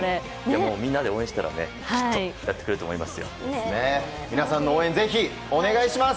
みんなで応援したらきっと勝ってくれると思います。